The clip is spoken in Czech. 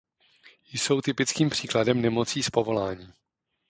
Jsou typickým příkladem nemocí z povolání.